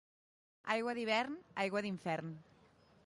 Aigua d'hivern, aigua d'infern.